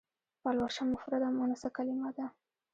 پلوشه مفرده مونثه کلمه ده.